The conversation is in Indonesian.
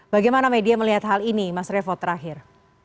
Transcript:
bagaimana media melihat hal ini mas revo terakhir